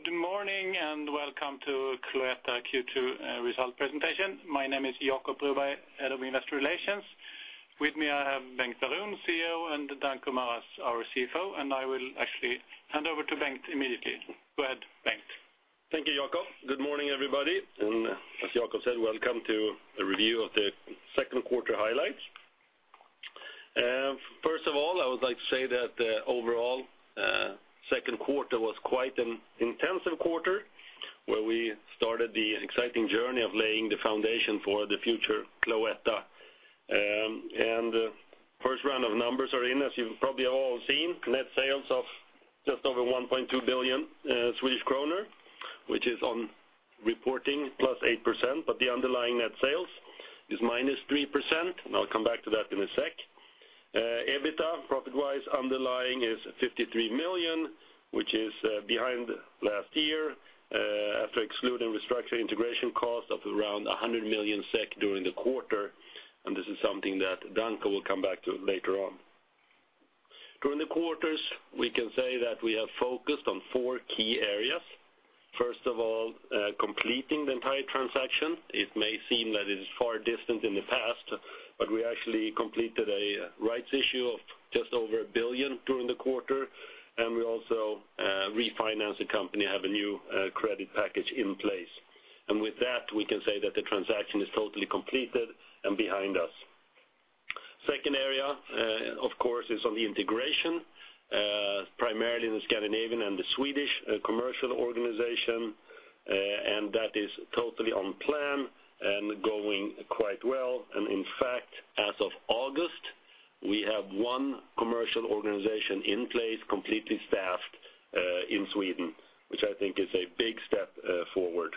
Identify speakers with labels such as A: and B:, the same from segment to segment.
A: Good morning and welcome to Cloetta Q2, result presentation. My name is Jacob Broberg, Head of Investor Relations. With me I have Bengt Baron, CEO, and Danko Maras, our CFO, and I will actually hand over to Bengt immediately. Go ahead, Bengt.
B: Thank you, Jacob. Good morning, everybody. As Jacob said, welcome to a review of the second quarter highlights. First of all, I would like to say that, overall, second quarter was quite an intensive quarter where we started the exciting journey of laying the foundation for the future Cloetta. First round of numbers are in, as you've probably all seen, net sales of just over 1.2 billion Swedish kronor, which is on reporting +8%, but the underlying net sales is -3%, and I'll come back to that in a sec. EBITDA, profit-wise, underlying is 53 million, which is behind last year, after excluding restructure integration cost of around 100 million SEK during the quarter, and this is something that Danko will come back to later on. During the quarters, we can say that we have focused on four key areas. First of all, completing the entire transaction. It may seem that it is far distant in the past, but we actually completed a rights issue of just over 1 billion during the quarter, and we also refinanced the company, have a new credit package in place. And with that, we can say that the transaction is totally completed and behind us. Second area, of course, is on the integration, primarily in the Scandinavian and the Swedish commercial organization, and that is totally on plan and going quite well. And in fact, as of August, we have one commercial organization in place, completely staffed, in Sweden, which I think is a big step forward.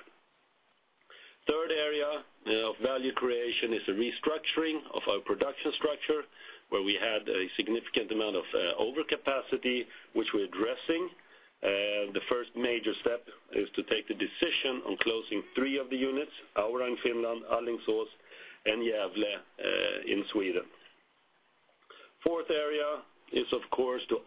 B: Third area of value creation is the restructuring of our production structure where we had a significant amount of overcapacity, which we're addressing. The first major step is to take the decision on closing three of the units: Aura, Finland, Alingsås, and Gävle, in Sweden. Fourth area is, of course, to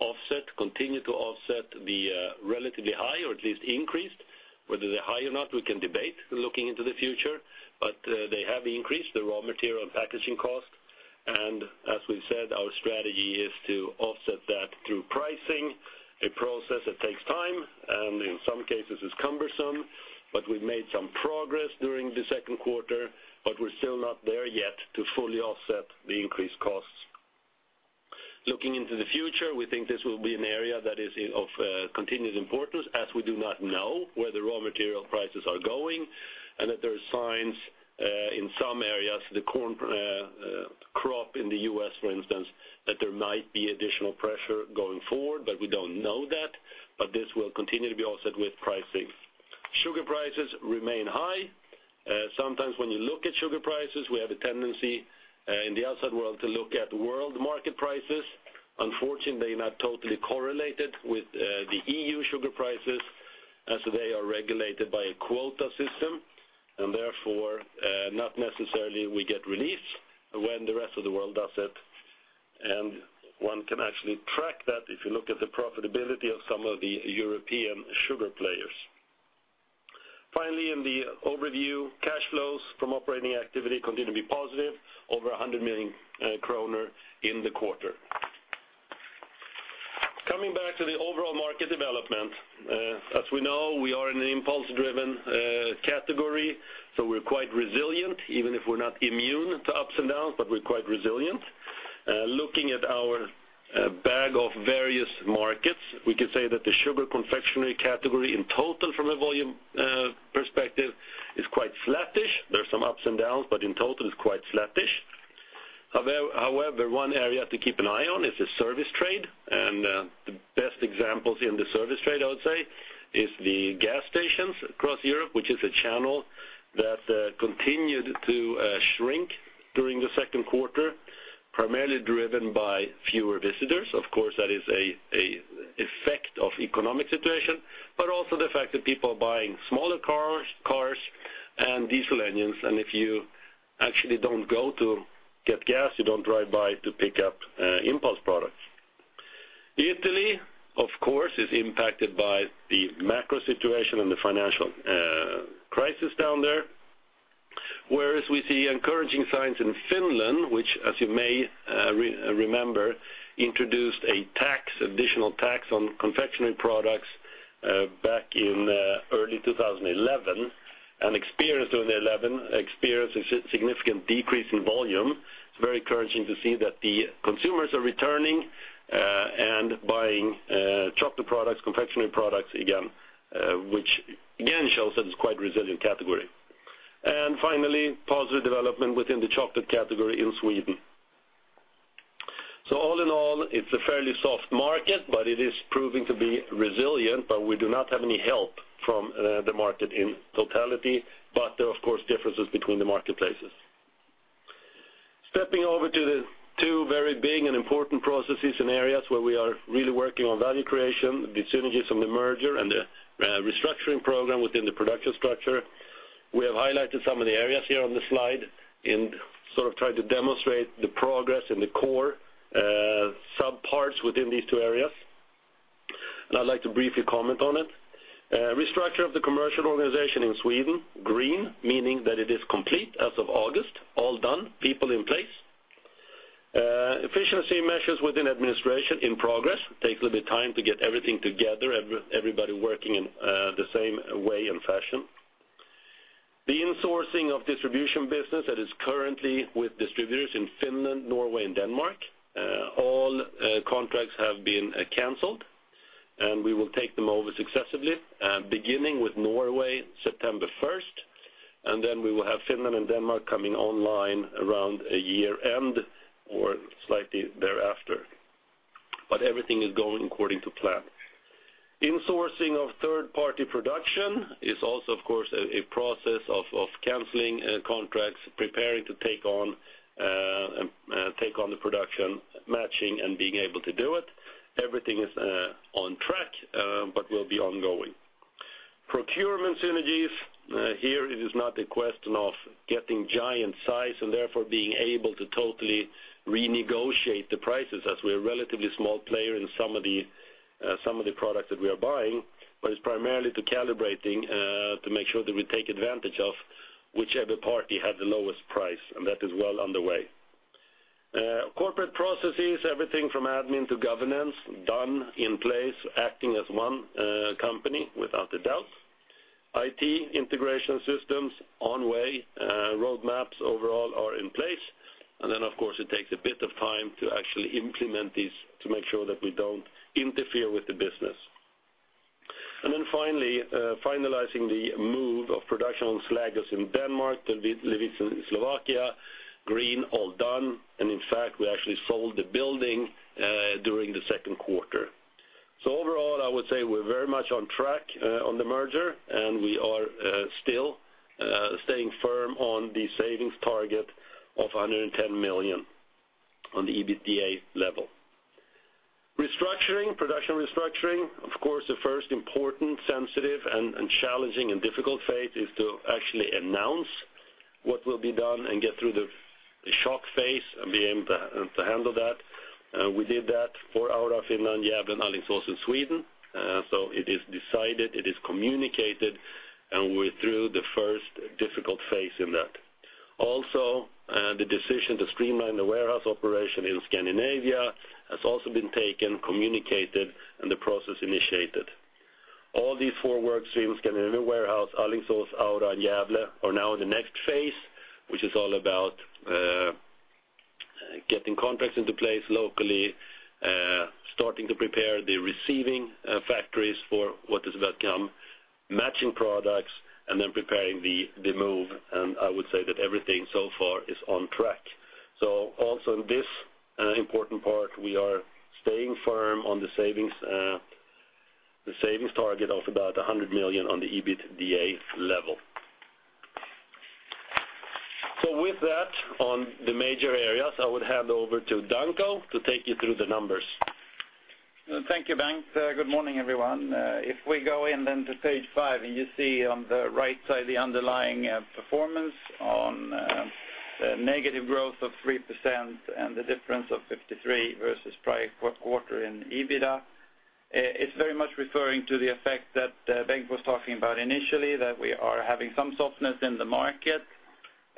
B: continue to offset the relatively high or at least increased. Whether they're high or not, we can debate looking into the future, but they have increased the raw material and packaging cost. As we've said, our strategy is to offset that through pricing, a process that takes time and in some cases is cumbersome, but we've made some progress during the second quarter, but we're still not there yet to fully offset the increased costs. Looking into the future, we think this will be an area of continued importance as we do not know where the raw material prices are going and that there are signs, in some areas, the corn crop in the US, for instance, that there might be additional pressure going forward, but we don't know that, but this will continue to be offset with pricing. Sugar prices remain high. Sometimes when you look at sugar prices, we have a tendency, in the outside world, to look at world market prices. Unfortunately, they're not totally correlated with the EU sugar prices as they are regulated by a quota system, and therefore, not necessarily we get reliefs when the rest of the world does it. And one can actually track that if you look at the profitability of some of the European sugar players. Finally, in the overview, cash flows from operating activity continue to be positive, over 100 million kronor in the quarter. Coming back to the overall market development, as we know, we are in an impulse-driven category, so we're quite resilient even if we're not immune to ups and downs, but we're quite resilient. Looking at our bag of various markets, we can say that the sugar confectionery category in total from a volume perspective is quite flattish. There's some ups and downs, but in total, it's quite flattish. However, one area to keep an eye on is the service trade, and the best examples in the service trade, I would say, is the gas stations across Europe, which is a channel that continued to shrink during the second quarter, primarily driven by fewer visitors. Of course, that is an effect of economic situation, but also the fact that people are buying smaller cars and diesel engines, and if you actually don't go to get gas, you don't drive by to pick up impulse products. Italy, of course, is impacted by the macro situation and the financial crisis down there, whereas we see encouraging signs in Finland, which, as you may remember, introduced an additional tax on confectionery products back in early 2011 and experienced during 2011 a significant decrease in volume. It's very encouraging to see that the consumers are returning and buying chocolate products, confectionery products again, which again shows that it's quite a resilient category. And finally, positive development within the chocolate category in Sweden. So all in all, it's a fairly soft market, but it is proving to be resilient, but we do not have any help from the market in totality, but there are, of course, differences between the marketplaces. Stepping over to the two very big and important processes and areas where we are really working on value creation, the synergies from the merger and the restructuring program within the production structure, we have highlighted some of the areas here on the slide and sort of tried to demonstrate the progress in the core subparts within these two areas, and I'd like to briefly comment on it. Restructuring of the commercial organization in Sweden, green, meaning that it is complete as of August, all done, people in place. Efficiency measures within administration in progress. It takes a little bit of time to get everything together, everybody working in the same way and fashion. The insourcing of distribution business that is currently with distributors in Finland, Norway, and Denmark, all contracts have been canceled, and we will take them over successively, beginning with Norway September 1st, and then we will have Finland and Denmark coming online around a year-end or slightly thereafter, but everything is going according to plan. Insourcing of third-party production is also, of course, a process of canceling contracts, preparing to take on, and take on the production, matching, and being able to do it. Everything is on track, but will be ongoing. Procurement synergies, here it is not a question of getting giant size and therefore being able to totally renegotiate the prices as we are a relatively small player in some of the, some of the products that we are buying, but it's primarily to calibrating, to make sure that we take advantage of whichever party has the lowest price, and that is well underway. Corporate processes, everything from admin to governance, done in place, acting as one company, without a doubt. IT integration systems on way, roadmaps overall are in place, and then, of course, it takes a bit of time to actually implement these to make sure that we don't interfere with the business. And then finally, finalizing the move of production on Slagelse in Denmark to Levice, Slovakia, green, all done, and in fact, we actually sold the building during the second quarter. So overall, I would say we're very much on track on the merger, and we are still staying firm on the savings target of 110 million on the EBITDA level. Restructuring, production restructuring, of course, the first important, sensitive, and challenging and difficult phase is to actually announce what will be done and get through the shock phase and be able to handle that. We did that for Aura, Finland, Gävle, and Alingsås in Sweden, so it is decided, it is communicated, and we're through the first difficult phase in that. Also, the decision to streamline the warehouse operation in Scandinavia has also been taken, communicated, and the process initiated. All these four workstreams, Scandinavia warehouse, Alingsås, Aura, Gävle, are now in the next phase, which is all about getting contracts into place locally, starting to prepare the receiving factories for what is about to come, matching products, and then preparing the move, and I would say that everything so far is on track. So also in this important part, we are staying firm on the savings, the savings target of about 100 million on the EBITDA level. So with that, on the major areas, I would hand over to Danko to take you through the numbers.
C: Thank you, Bengt. Good morning, everyone. If we go in then to page five and you see on the right side the underlying performance on the negative growth of 3% and the difference of 53 versus prior quarter in EBITDA, it's very much referring to the effect that Bengt was talking about initially, that we are having some softness in the market,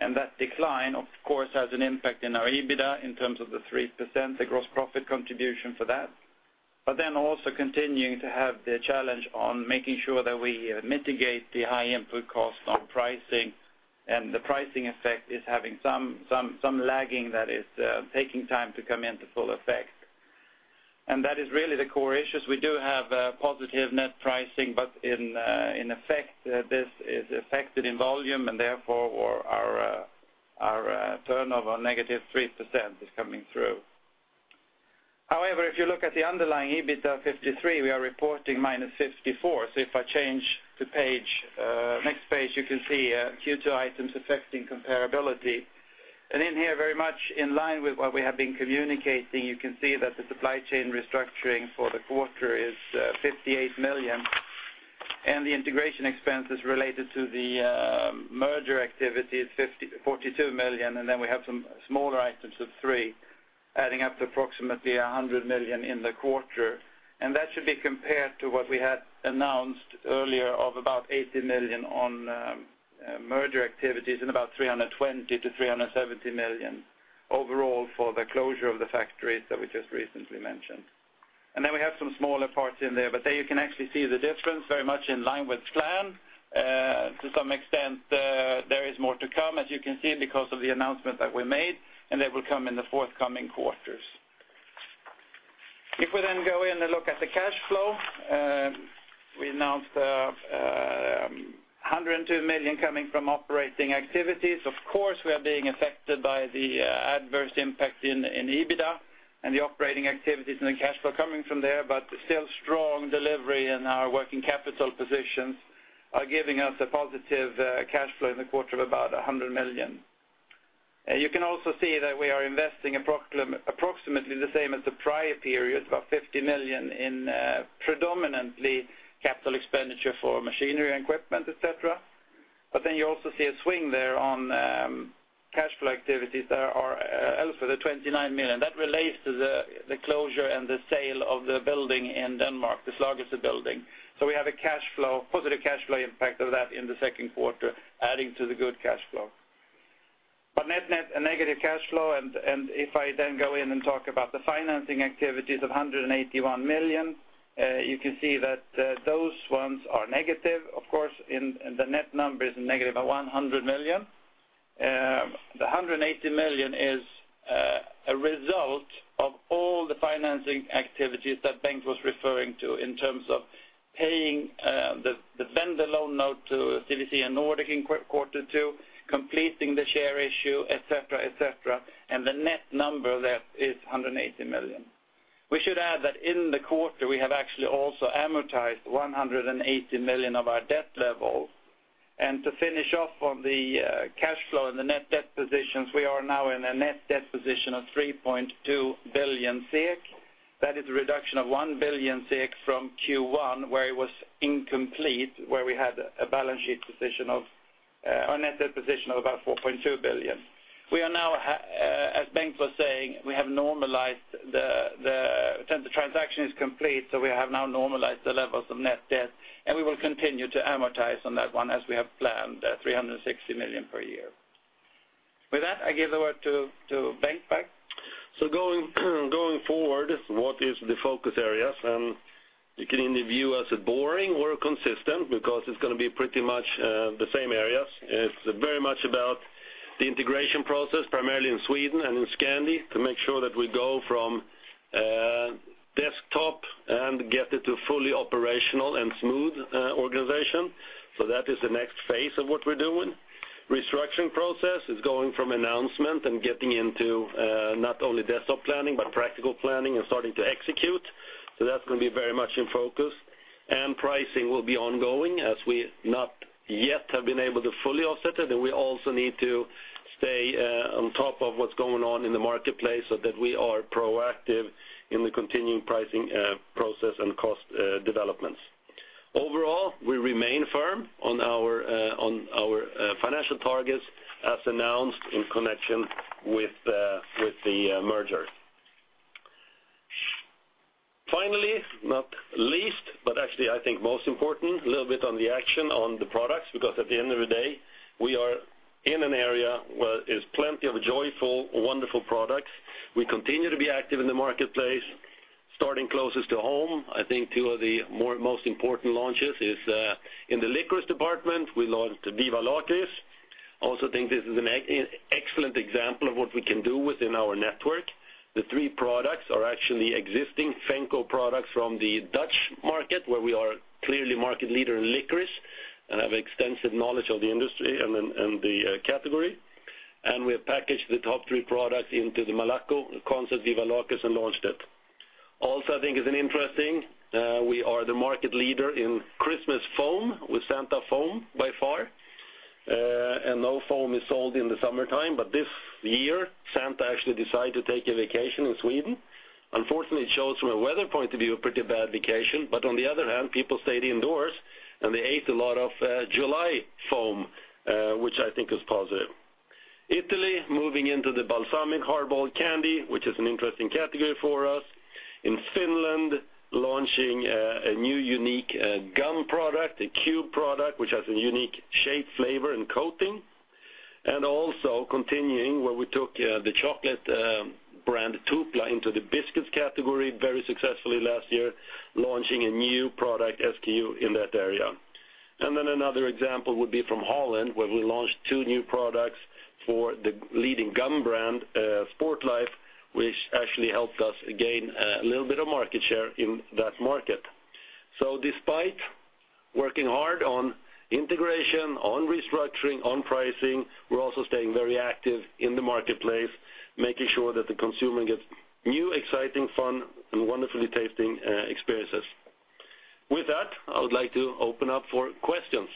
C: and that decline, of course, has an impact in our EBITDA in terms of the 3%, the gross profit contribution for that, but then also continuing to have the challenge on making sure that we mitigate the high input cost on pricing, and the pricing effect is having some lagging that is taking time to come into full effect. That is really the core issues. We do have positive net pricing, but in effect, this is affected in volume and therefore our turnover -3% is coming through. However, if you look at the underlying EBITDA of 53 million, we are reporting -54 million, so if I change to the next page, you can see Q2 items affecting comparability. And in here, very much in line with what we have been communicating, you can see that the supply chain restructuring for the quarter is 58 million, and the integration expenses related to the merger activity is 54 million, and then we have some smaller items of 3 million, adding up to approximately 100 million in the quarter, and that should be compared to what we had announced earlier of about 80 million on merger activities and about 320-370 million overall for the closure of the factories that we just recently mentioned. And then we have some smaller parts in there, but there you can actually see the difference very much in line with plan. To some extent, there is more to come, as you can see, because of the announcement that we made, and that will come in the forthcoming quarters. If we then go in and look at the cash flow, we announced 102 million coming from operating activities. Of course, we are being affected by the adverse impact in EBITDA and the operating activities and the cash flow coming from there, but still strong delivery in our working capital positions are giving us a positive cash flow in the quarter of about 100 million. You can also see that we are investing approximately the same as the prior period, about 50 million in, predominantly capital expenditure for machinery and equipment, etc., but then you also see a swing there on cash flow activities that are elsewhere. They're 29 million. That relates to the closure and the sale of the building in Denmark, the Slagelse building. So we have a cash flow, positive cash flow impact of that in the second quarter, adding to the good cash flow. But net, a negative cash flow, and if I then go in and talk about the financing activities of 181 million, you can see that those ones are negative, of course, in the net numbers are negative at 100 million. The 180 million is a result of all the financing activities that Bengt was referring to in terms of paying the vendor loan note to CVC and Nordic in quarter two, completing the share issue, etc., etc., and the net number that is 180 million. We should add that in the quarter, we have actually also amortized 180 million of our debt level, and to finish off on the cash flow and the net debt positions, we are now in a net debt position of 3.2 billion. That is a reduction of 1 billion from Q1 where it was incomplete, where we had a balance sheet position of our net debt position of about 4.2 billion. We are now, as Bengt was saying, we have normalized the since the transaction is complete, so we have now normalized the levels of net debt, and we will continue to amortize on that one as we have planned, 360 million per year. With that, I give the word to Bengt back.
B: So going, going forward, what is the focus areas? And you can either view us as boring or consistent because it's gonna be pretty much the same areas. It's very much about the integration process, primarily in Sweden and in Scandi, to make sure that we go from desktop and get it to fully operational and smooth organization, so that is the next phase of what we're doing. Restructuring process is going from announcement and getting into not only desktop planning but practical planning and starting to execute, so that's gonna be very much in focus, and pricing will be ongoing as we not yet have been able to fully offset it, and we also need to stay on top of what's going on in the marketplace so that we are proactive in the continuing pricing process and cost developments. Overall, we remain firm on our financial targets as announced in connection with the merger. Finally, not least, but actually, I think, most important, a little bit on the action on the products because at the end of the day, we are in an area where there's plenty of joyful, wonderful products. We continue to be active in the marketplace. Starting closest to home, I think, two of the most important launches is, in the licorice department. We launched Viva Lakrits. Also think this is an excellent example of what we can do within our network. The three products are actually existing Venco products from the Dutch market where we are clearly market leader in licorice and have extensive knowledge of the industry and the category, and we have packaged the top three products into the Malaco concept Viva Lakrits and launched it. Also, I think is an interesting, we are the market leader in Christmas foam with Santa foam by far, and no foam is sold in the summertime, but this year, Santa actually decided to take a vacation in Sweden. Unfortunately, it shows from a weather point of view a pretty bad vacation, but on the other hand, people stayed indoors and they ate a lot of July foam, which I think is positive. Italy moving into the balsamic hard-boiled candy, which is an interesting category for us. In Finland, launching a new unique gum product, a cube product which has a unique shape, flavor, and coating, and also continuing where we took the chocolate brand Tupla into the biscuits category very successfully last year, launching a new product SKU in that area. And then another example would be from Holland where we launched two new products for the leading gum brand, Sportlife, which actually helped us gain a little bit of market share in that market. So despite working hard on integration, on restructuring, on pricing, we're also staying very active in the marketplace, making sure that the consumer gets new, exciting, fun, and wonderfully tasting experiences. With that, I would like to open up for questions.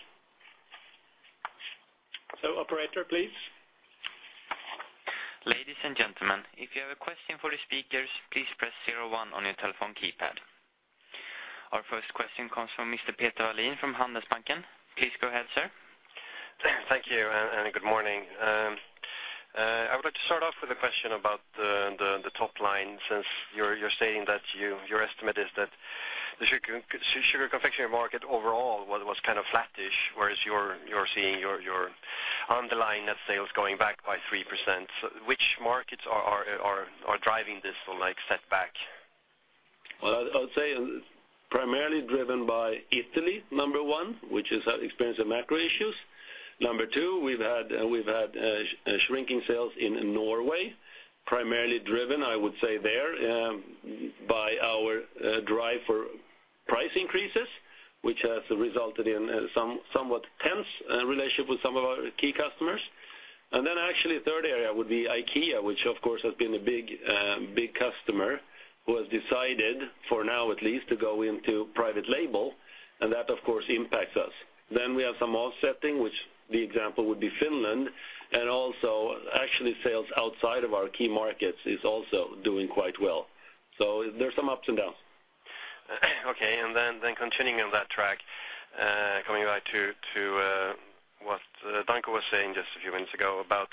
B: Operator, please.
D: Ladies and gentlemen, if you have a question for the speakers, please press 01 on your telephone keypad. Our first question comes from Mr. Peter Wallin from Handelsbanken. Please go ahead, sir.
E: Thank you, and good morning. I would like to start off with a question about the top line since you're stating that your estimate is that the sugar confectionery market overall was kind of flattish, whereas you're seeing your underlying net sales going back by 3%. So which markets are driving this sort of, like, setback?
B: Well, I'd say, primarily driven by Italy, number one, which is experiencing macro issues. Number two, we've had shrinking sales in Norway, primarily driven, I would say, there, by our drive for price increases, which has resulted in some somewhat tense relationship with some of our key customers. And then actually, third area would be IKEA, which, of course, has been a big, big customer who has decided, for now at least, to go into private label, and that, of course, impacts us. Then we have some offsetting, which the example would be Finland, and also actually sales outside of our key markets is also doing quite well. So there's some ups and downs.
E: Okay. Then continuing on that track, coming back to what Danko was saying just a few minutes ago about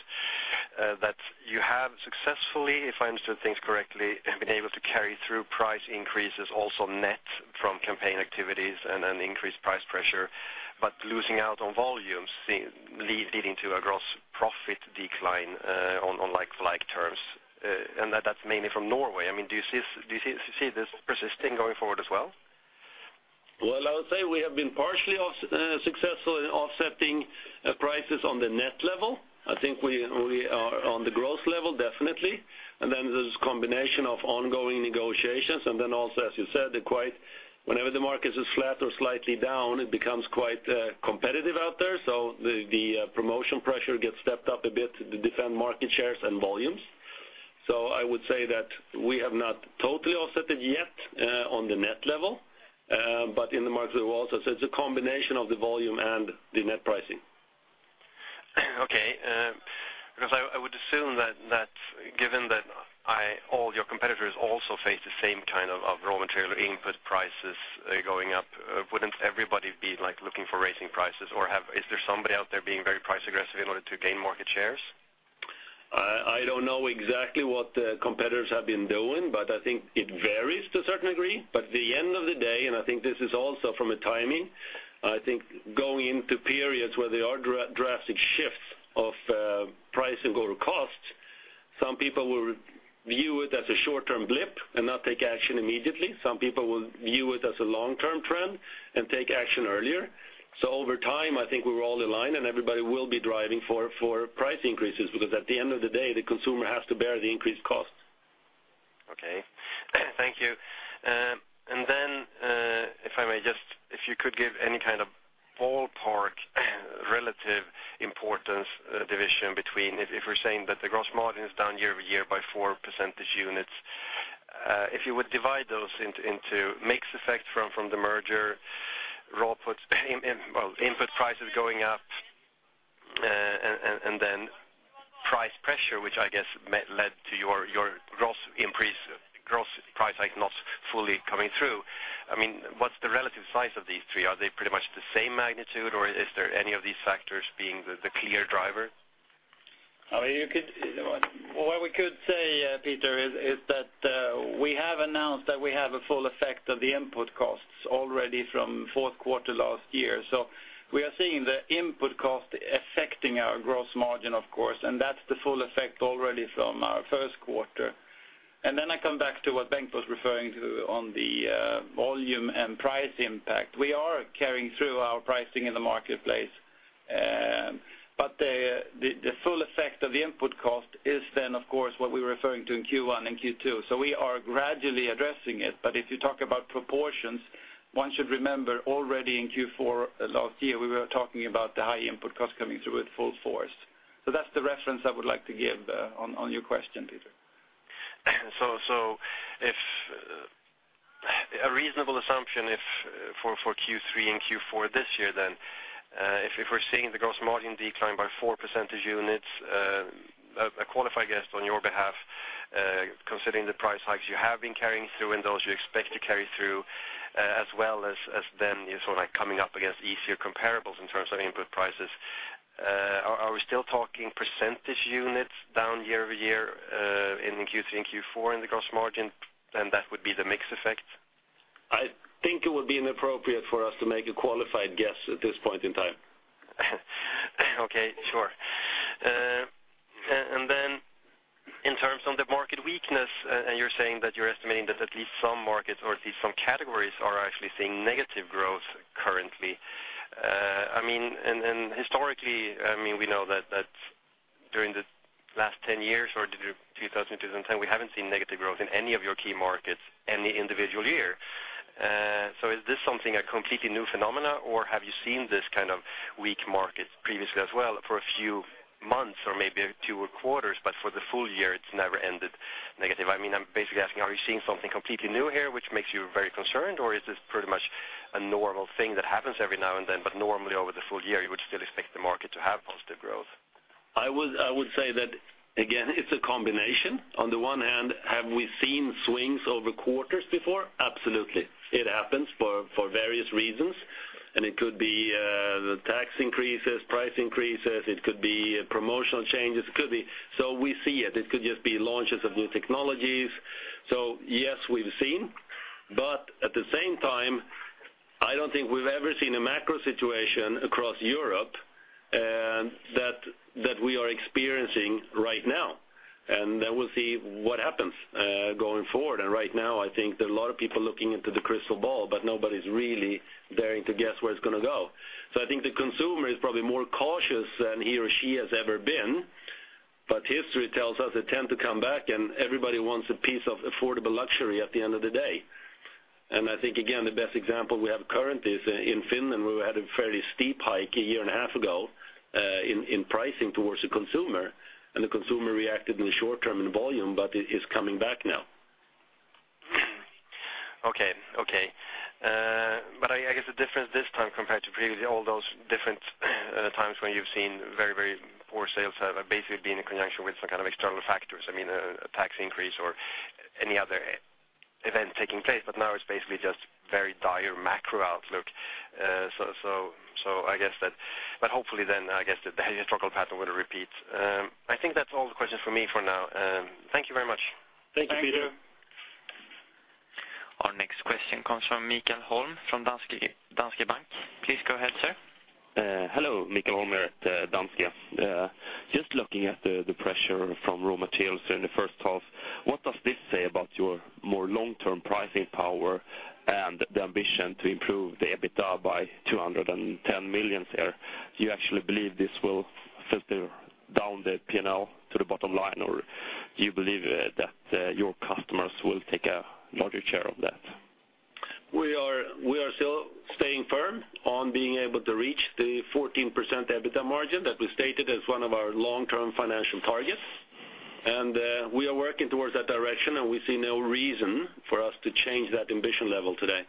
E: that you have successfully, if I understood things correctly, been able to carry through price increases also net from campaign activities and increased price pressure, but losing out on volumes, leading to a gross profit decline, on like-for-like terms. And that's mainly from Norway. I mean, do you see this persisting going forward as well?
B: Well, I would say we have been partially successful in offsetting prices on the net level. I think we are on the gross level, definitely, and then there's a combination of ongoing negotiations, and then also, as you said, they're quite whenever the market is flat or slightly down, it becomes quite competitive out there, so the promotion pressure gets stepped up a bit to defend market shares and volumes. So I would say that we have not totally offset it yet, on the net level, but in the markets we will also. So it's a combination of the volume and the net pricing.
E: Okay. Because I would assume that given that all your competitors also face the same kind of raw material input prices going up, wouldn't everybody be, like, looking for raising prices or have is there somebody out there being very price aggressive in order to gain market shares?
B: I don't know exactly what the competitors have been doing, but I think it varies to a certain degree. But at the end of the day, and I think this is also from a timing, I think going into periods where there are drastic shifts of price and total costs, some people will view it as a short-term blip and not take action immediately. Some people will view it as a long-term trend and take action earlier. So over time, I think we're all in line and everybody will be driving for price increases because at the end of the day, the consumer has to bear the increased cost.
E: Okay. Thank you. Then, if I may, if you could give any kind of ballpark relative importance, division between, if we're saying that the gross margin is down year-over-year by 4 percentage units, if you would divide those into mix effect from the merger, raw inputs, well, input prices going up, and then price pressure, which I guess mainly led to your gross price hike not fully coming through. I mean, what's the relative size of these three? Are they pretty much the same magnitude, or is there any of these factors being the clear driver?
B: I mean, what we could say, Peter, is that we have announced that we have a full effect of the input costs already from fourth quarter last year. So we are seeing the input cost affecting our gross margin, of course, and that's the full effect already from our first quarter. And then I come back to what Bengt was referring to on the volume and price impact. We are carrying through our pricing in the marketplace, but the full effect of the input cost is then, of course, what we were referring to in Q1 and Q2. So we are gradually addressing it, but if you talk about proportions, one should remember already in Q4 last year, we were talking about the high input cost coming through with full force. So that's the reference I would like to give on your question, Peter.
E: So, if a reasonable assumption for Q3 and Q4 this year, then if we're seeing the gross margin decline by 4 percentage units, a qualified guess on your behalf, considering the price hikes you have been carrying through and those you expect to carry through, as well as then you're sort of like coming up against easier comparables in terms of input prices, are we still talking percentage units down year-over-year in Q3 and Q4 in the gross margin, and that would be the mixed effect?
B: I think it would be inappropriate for us to make a qualified guess at this point in time.
E: Okay. Sure. And then in terms of the market weakness, and you're saying that you're estimating that at least some markets or at least some categories are actually seeing negative growth currently. I mean, and, and historically, I mean, we know that, that during the last 10 years or 2000, 2010, we haven't seen negative growth in any of your key markets any individual year. So is this something, a completely new phenomenon, or have you seen this kind of weak market previously as well for a few months or maybe 2 or quarters, but for the full year, it's never ended negative? I mean, I'm basically asking, are you seeing something completely new here which makes you very concerned, or is this pretty much a normal thing that happens every now and then, but normally over the full year, you would still expect the market to have positive growth?
B: I would say that, again, it's a combination. On the one hand, have we seen swings over quarters before? Absolutely. It happens for various reasons, and it could be tax increases, price increases, it could be promotional changes, it could be so we see it. It could just be launches of new technologies. So yes, we've seen, but at the same time, I don't think we've ever seen a macro situation across Europe that we are experiencing right now, and then we'll see what happens going forward. And right now, I think there are a lot of people looking into the crystal ball, but nobody's really daring to guess where it's gonna go. So I think the consumer is probably more cautious than he or she has ever been, but history tells us they tend to come back, and everybody wants a piece of affordable luxury at the end of the day. And I think, again, the best example we have currently is, in Finland, where we had a fairly steep hike a year and a half ago, in pricing towards the consumer, and the consumer reacted in the short term in volume, but it is coming back now.
E: Okay. But I guess the difference this time compared to previously, all those different times when you've seen very, very poor sales have basically been in conjunction with some kind of external factors. I mean, a tax increase or any other event taking place, but now it's basically just very dire macro outlook. So I guess that, but hopefully then, I guess, the historical pattern will repeat. I think that's all the questions for me for now. Thank you very much.
B: Thank you, Peter.
D: Thank you. Our next question comes from Mikael Holm from Danske Bank. Please go ahead, sir.
F: Hello, Mikael Holm here at Danske. Just looking at the pressure from raw materials during the first half, what does this say about your more long-term pricing power and the ambition to improve the EBITDA by 210 million? Do you actually believe this will filter down the P&L to the bottom line, or do you believe that your customers will take a larger share of that?
B: We are still staying firm on being able to reach the 14% EBITDA margin that we stated as one of our long-term financial targets, and we are working towards that direction, and we see no reason for us to change that ambition level today.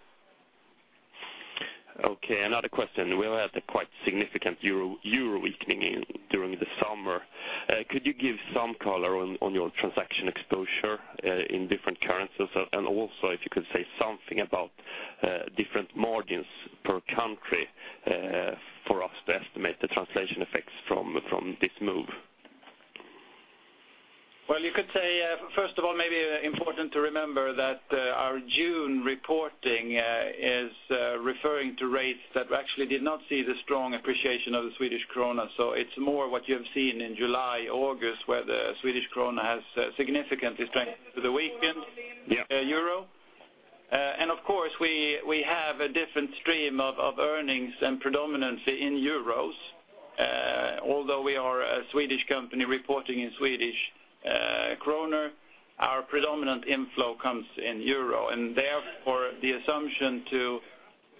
F: Okay. Another question. We've had a quite significant euro-euro weakening during the summer. Could you give some color on your transaction exposure in different currencies, and also if you could say something about different margins per country, for us to estimate the translation effects from this move?
B: Well, you could say, first of all, maybe important to remember that our June reporting is referring to rates that actually did not see the strong appreciation of the Swedish Krona. So it's more what you have seen in July, August, where the Swedish Krona has significantly strengthened through the weekend.
F: Yeah.
B: euro. And of course, we have a different stream of earnings and predominantly in euros. Although we are a Swedish company reporting in Swedish krona, our predominant inflow comes in euro, and therefore, the assumption to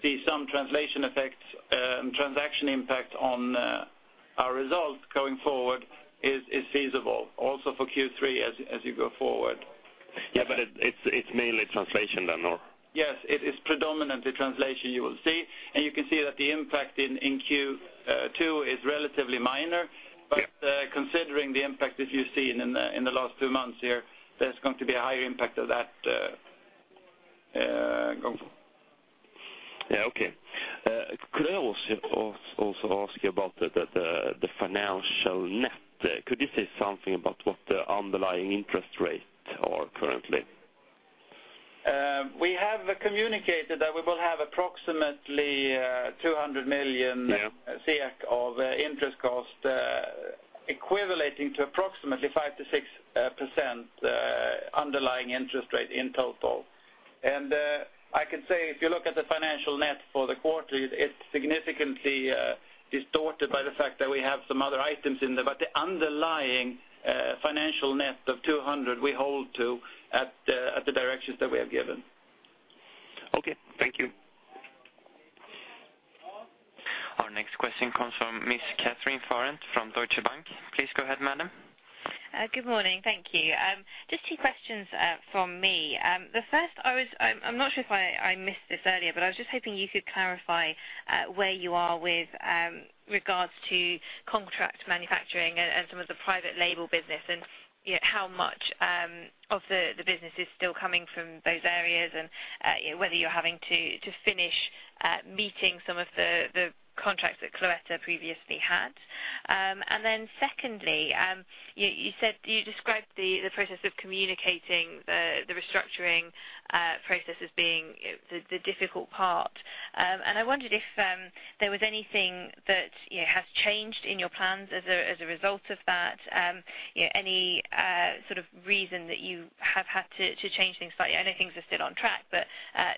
B: see some translation effects, transaction impact on our results going forward is feasible also for Q3 as you go forward.
F: Yeah. But it's mainly translation then, or?
B: Yes. It is predominantly translation you will see, and you can see that the impact in Q2 is relatively minor, but considering the impact that you've seen in the last two months here, there's going to be a higher impact of that, going forward.
F: Yeah. Okay. Could I also ask you about the financial net? Could you say something about what the underlying interest rates are currently?
B: We have communicated that we will have approximately 200 million.
F: Yeah.
B: The cost of interest, equating to approximately 5%-6% underlying interest rate in total. I could say if you look at the financial net for the quarter, it's significantly distorted by the fact that we have some other items in there, but the underlying financial net of 200 we hold to at the directions that we have given.
F: Okay. Thank you.
D: Our next question comes from Miss Catherine Farrant from Deutsche Bank. Please go ahead, madam.
G: Good morning. Thank you. Just two questions from me. The first, I'm not sure if I missed this earlier, but I was just hoping you could clarify where you are with regards to contract manufacturing and some of the private label business and, you know, how much of the business is still coming from those areas and, you know, whether you're having to finish meeting some of the contracts that Cloetta previously had. And then secondly, you said you described the process of communicating the restructuring process as being, you know, the difficult part. And I wondered if there was anything that, you know, has changed in your plans as a result of that, you know, any sort of reason that you have had to change things slightly. I know things are still on track, but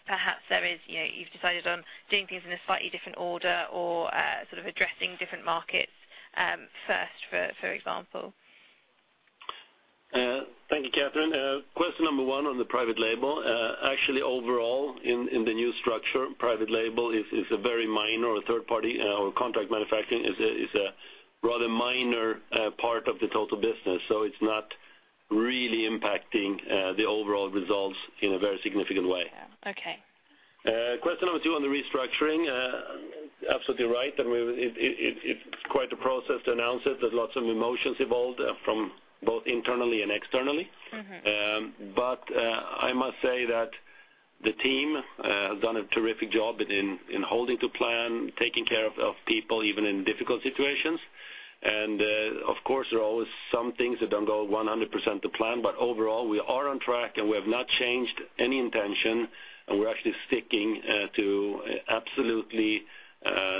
G: perhaps there is, you know, you've decided on doing things in a slightly different order or sort of addressing different markets first, for example.
B: Thank you, Catherine. Question number one on the private label. Actually, overall, in the new structure, private label is a very minor or third-party, or contract manufacturing is a rather minor part of the total business, so it's not really impacting the overall results in a very significant way.
G: Yeah. Okay.
B: Question number two on the restructuring. Absolutely right. And we, it's quite a process to announce it. There's lots of emotions involved, from both internally and externally.
G: Mm-hmm.
B: But I must say that the team has done a terrific job in holding to plan, taking care of people even in difficult situations. And, of course, there are always some things that don't go 100% to plan, but overall, we are on track and we have not changed any intention, and we're actually sticking to absolutely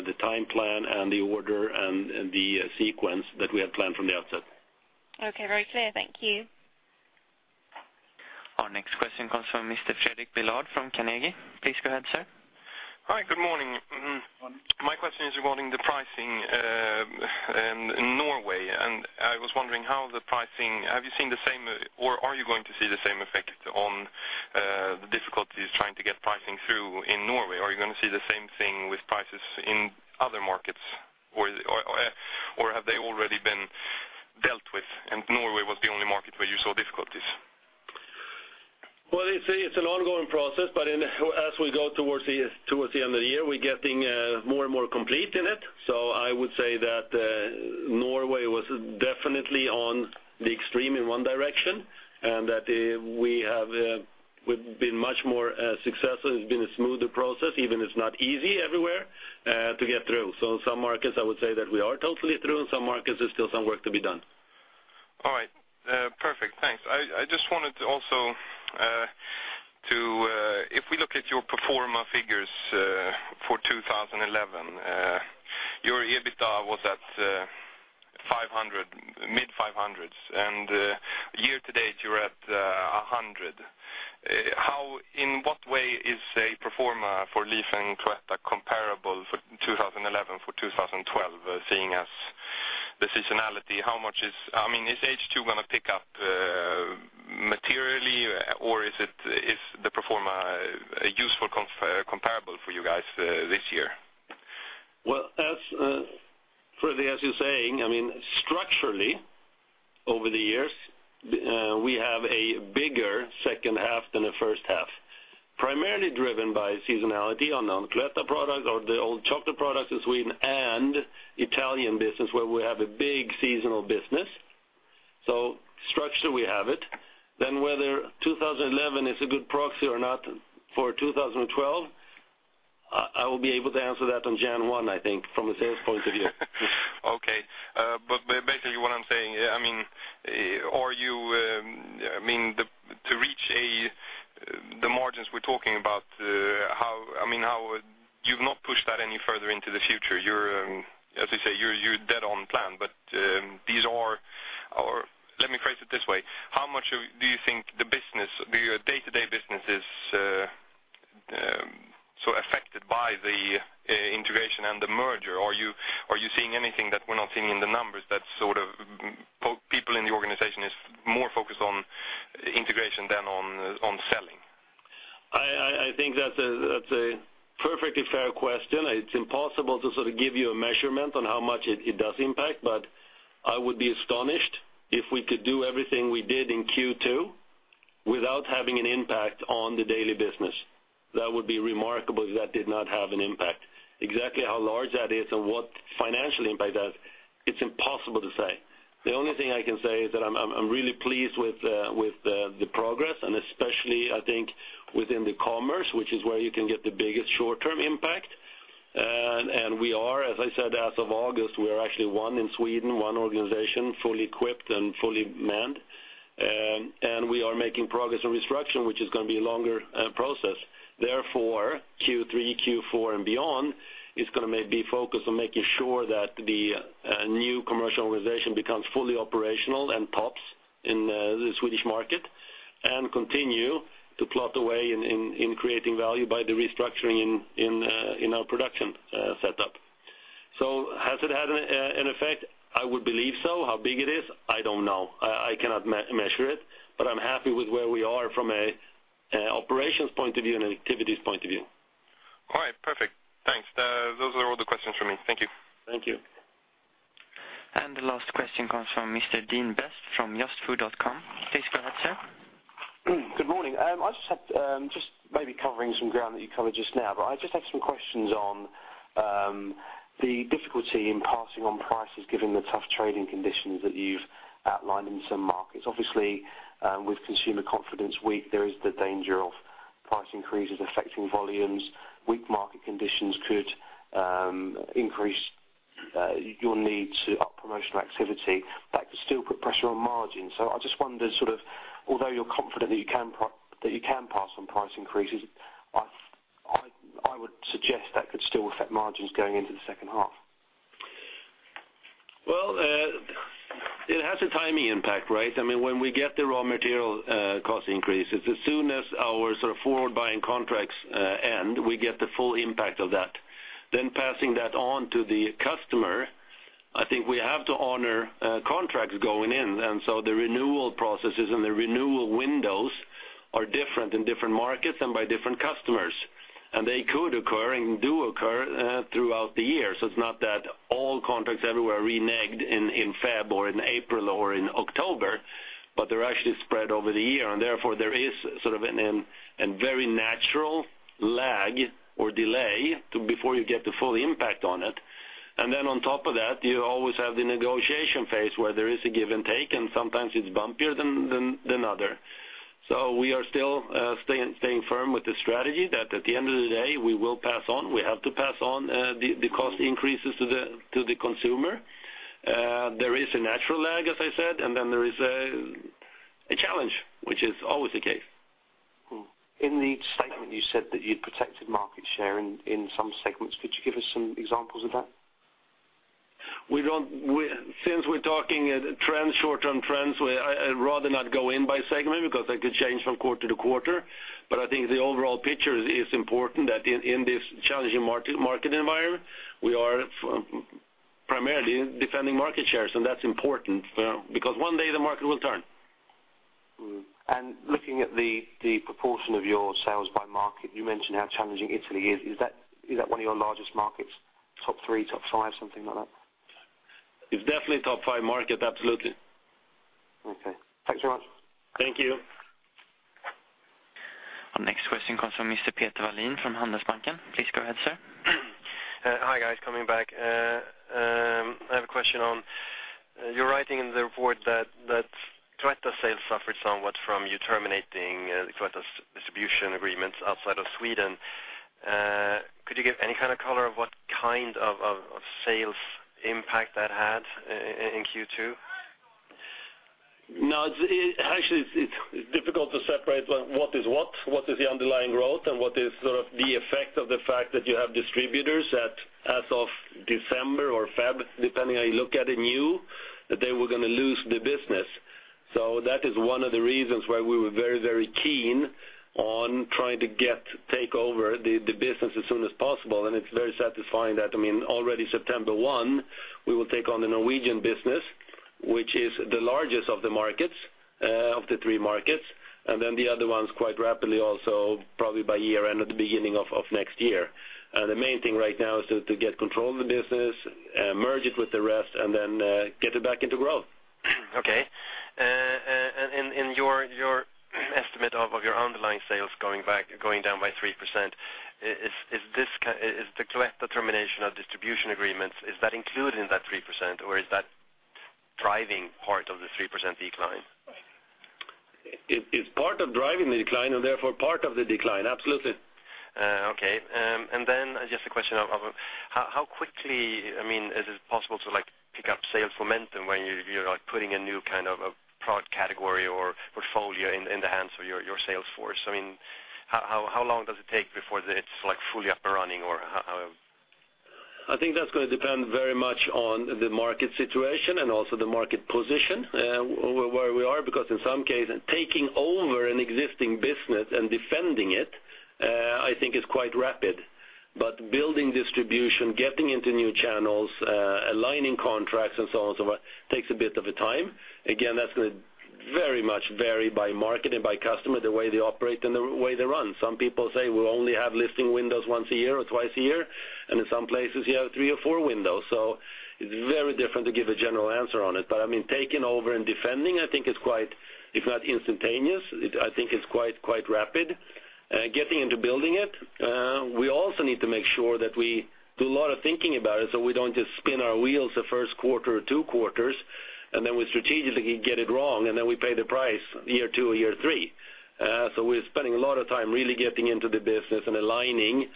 B: the time plan and the order and the sequence that we had planned from the outset.
G: Okay. Very clear. Thank you.
D: Our next question comes from Mr. Fredrik Villard from Carnegie. Please go ahead, sir.
H: Hi. Good morning. Mm-hmm. My question is regarding the pricing in Norway, and I was wondering how the pricing have you seen the same, or are you going to see the same effect on the difficulties trying to get pricing through in Norway? Are you gonna see the same thing with prices in other markets, or, or, or have they already been dealt with, and Norway was the only market where you saw difficulties?
B: Well, it's an ongoing process, but as we go towards the end of the year, we're getting more and more complete in it. So I would say that Norway was definitely on the extreme in one direction and that we've been much more successful. It's been a smoother process, even if it's not easy everywhere, to get through. So some markets, I would say that we are totally through, and some markets, there's still some work to be done.
H: All right. Perfect. Thanks. I, I just wanted to also, to, if we look at your performance figures, for 2011, your EBITDA was at 500 million, mid-500s million, and, year to date, you're at 100 million. How in what way is the performance for Leaf and Cloetta comparable for 2011 for 2012, seeing as seasonality? How much is I mean, is H2 gonna pick up, materially, or is it is the performance, useful comparable for you guys, this year?
B: Well, as, Fredrik, as you're saying, I mean, structurally, over the years, we have a bigger second half than the first half, primarily driven by seasonality on, on Cloetta products or the old chocolate products in Sweden and Italian business where we have a big seasonal business. So structure, we have it. Then whether 2011 is a good proxy or not for 2012, I, I will be able to answer that on January 1, I think, from a sales point of view.
H: Okay. But basically, what I'm saying, I mean, are you, I mean, the to reach a, the margins we're talking about, how, I mean, how, you've not pushed that any further into the future. You're, as you say, you're dead on plan, but these are, or let me phrase it this way. How much do you think the day-to-day business is so affected by the integration and the merger? Are you seeing anything that we're not seeing in the numbers that sort of so people in the organization is more focused on integration than on selling?
B: I think that's a perfectly fair question. It's impossible to sort of give you a measurement on how much it does impact, but I would be astonished if we could do everything we did in Q2 without having an impact on the daily business. That would be remarkable if that did not have an impact. Exactly how large that is and what financial impact that has, it's impossible to say. The only thing I can say is that I'm really pleased with the progress and especially, I think, within the commerce, which is where you can get the biggest short-term impact. And we are, as I said, as of August, we are actually one in Sweden, one organization, fully equipped and fully manned. And we are making progress in restructuring, which is gonna be a longer process. Therefore, Q3, Q4, and beyond, it's gonna maybe focus on making sure that the new commercial organization becomes fully operational and tops in the Swedish market and continue to plot away in creating value by the restructuring in our production setup. So has it had an effect? I would believe so. How big it is, I don't know. I cannot measure it, but I'm happy with where we are from a operations point of view and an activities point of view.
H: All right. Perfect. Thanks. Those are all the questions for me. Thank you.
B: Thank you.
D: The last question comes from Mr. Dean Best from just-food.com. Please go ahead, sir.
I: Good morning. I just maybe covering some ground that you covered just now, but I just had some questions on the difficulty in passing on prices given the tough trading conditions that you've outlined in some markets. Obviously, with consumer confidence weak, there is the danger of price increases affecting volumes. Weak market conditions could increase your need to up promotional activity. That could still put pressure on margins. So I just wondered sort of although you're confident that you can prove that you can pass on price increases, I would suggest that could still affect margins going into the second half.
B: Well, it has a timing impact, right? I mean, when we get the raw material cost increases, as soon as our sort of forward buying contracts end, we get the full impact of that. Then passing that on to the customer, I think we have to honor contracts going in, and so the renewal processes and the renewal windows are different in different markets and by different customers, and they could occur and do occur throughout the year. So it's not that all contracts everywhere are renegotiated in Feb or in April or in October, but they're actually spread over the year, and therefore, there is sort of a very natural lag or delay before you get the full impact on it. And then on top of that, you always have the negotiation phase where there is a give and take, and sometimes it's bumpier than other. So we are still staying firm with the strategy that at the end of the day, we will pass on. We have to pass on the cost increases to the consumer. There is a natural lag, as I said, and then there is a challenge, which is always the case.
I: In the statement, you said that you'd protected market share in some segments. Could you give us some examples of that?
B: Since we're talking trends, short-term trends, I'd rather not go in by segment because that could change from quarter to quarter, but I think the overall picture is important that in this challenging market environment, we are primarily defending market shares, and that's important because one day, the market will turn.
I: Looking at the proportion of your sales by market, you mentioned how challenging Italy is. Is that one of your largest markets, top three, top five, something like that?
B: It's definitely top five market. Absolutely.
I: Okay. Thanks very much.
B: Thank you.
D: Our next question comes from Mr. Peter Wallin from Handelsbanken. Please go ahead, sir.
E: Hi, guys. Coming back. I have a question on—you're writing in the report that Cloetta sales suffered somewhat from you terminating Cloetta's distribution agreements outside of Sweden. Could you give any kind of color of what kind of sales impact that had in Q2?
B: No. It's actually difficult to separate what is what. What is the underlying growth, and what is sort of the effect of the fact that you have distributors that as of December or February, depending how you look at it, knew that they were gonna lose the business. So that is one of the reasons why we were very, very keen on trying to get to take over the business as soon as possible, and it's very satisfying that, I mean, already September 1, we will take on the Norwegian business, which is the largest of the markets, of the three markets, and then the other ones quite rapidly also, probably by year-end or the beginning of next year. And the main thing right now is to get control of the business, merge it with the rest, and then get it back into growth.
E: Okay. And in your estimate of your underlying sales going down by 3%, is this the Cloetta termination of distribution agreements, is that included in that 3%, or is that driving part of the 3% decline?
B: It's part of driving the decline and therefore part of the decline. Absolutely.
E: Okay. And then just a question of how quickly, I mean, is it possible to, like, pick up sales momentum when you're like putting a new kind of a product category or portfolio in the hands of your sales force? I mean, how long does it take before it's like fully up and running, or how?
B: I think that's gonna depend very much on the market situation and also the market position, where we are because in some cases, taking over an existing business and defending it, I think is quite rapid, but building distribution, getting into new channels, aligning contracts, and so on and so forth takes a bit of a time. Again, that's gonna very much vary by market and by customer, the way they operate and the way they run. Some people say, "We only have listing windows once a year or twice a year," and in some places, you have three or four windows. So it's very different to give a general answer on it, but I mean, taking over and defending, I think is quite, if not instantaneous, I think it's quite, quite rapid. Getting into building it, we also need to make sure that we do a lot of thinking about it so we don't just spin our wheels the first quarter or two quarters, and then we strategically get it wrong, and then we pay the price year two, year three. So we're spending a lot of time really getting into the business and aligning,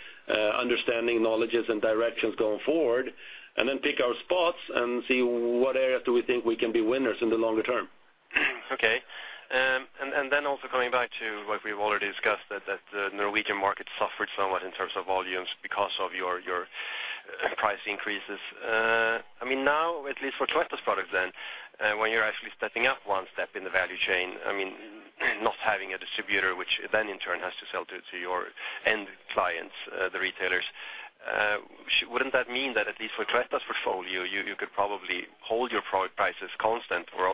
B: understanding knowledges and directions going forward, and then pick our spots and see what areas do we think we can be winners in the longer term.
E: Okay. And then also coming back to what we've already discussed, that the Norwegian market suffered somewhat in terms of volumes because of your price increases. I mean, now, at least for Cloetta's products then, when you're actually stepping up one step in the value chain, I mean, not having a distributor, which then, in turn, has to sell to your end clients, the retailers, shouldn't that mean that at least for Cloetta's portfolio, you could probably hold your product prices constant or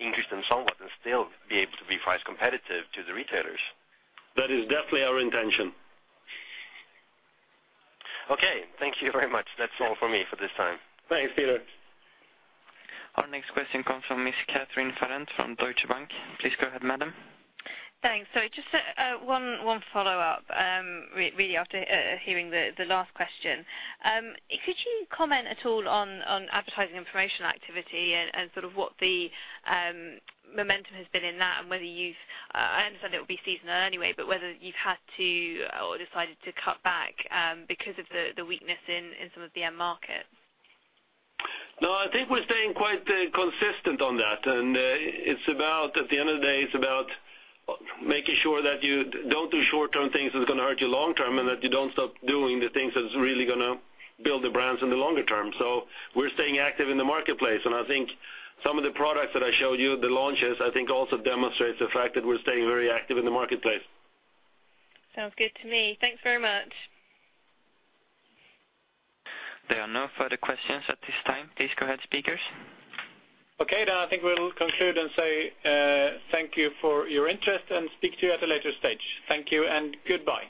E: increase them somewhat and still be able to be price competitive to the retailers?
B: That is definitely our intention.
E: Okay. Thank you very much. That's all for me for this time.
B: Thanks, Peter.
D: Our next question comes from Ms. Catherine Farrant from Deutsche Bank. Please go ahead, madam.
G: Thanks. So just a one follow-up, really after hearing the last question. Could you comment at all on advertising and promotional activity and sort of what the momentum has been in that and whether you've, I understand, it will be seasonal anyway, but whether you've had to or decided to cut back because of the weakness in some of the end markets?
B: No. I think we're staying quite consistent on that, and it's about at the end of the day, it's about making sure that you don't do short-term things that's gonna hurt you long-term and that you don't stop doing the things that's really gonna build the brands in the longer term. So we're staying active in the marketplace, and I think some of the products that I showed you, the launches, I think also demonstrates the fact that we're staying very active in the marketplace.
G: Sounds good to me. Thanks very much.
D: There are no further questions at this time. Please go ahead, speakers.
B: Okay. Then I think we'll conclude and say, thank you for your interest and speak to you at a later stage. Thank you, and goodbye.